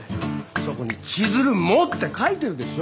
そこに「千鶴も」って書いてるでしょ。